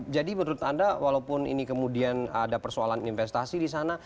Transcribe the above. jadi menurut anda walaupun ini kemudian ada persoalan investasi di sana